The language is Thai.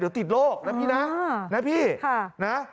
เดี๋ยวติดโรคนะพี่นะ